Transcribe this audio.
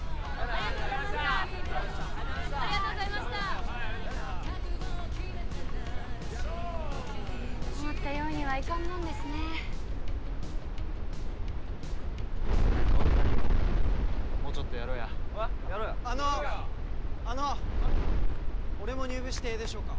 ありがとうございましたありがとうございましたじゃあな思ったようにはいかんもんですね何や物足りんわもうちょっとやろやあのあの俺も入部してええでしょうか？